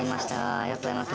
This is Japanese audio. ありがとうございます。